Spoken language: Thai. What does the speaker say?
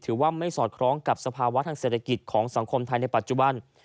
ถือว่าไม่สอดคล้องกับสภาวะทางเศรษฐกิจของสังคมไทยในปัจจุบัน